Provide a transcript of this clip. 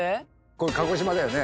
これ鹿児島だよね。